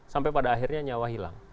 sampai pada akhirnya nyawa hilang